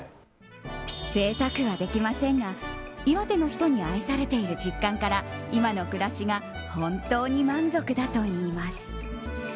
ぜいたくはできませんが岩手の人に愛されている実感から今の暮らしが本当に満足だといいます。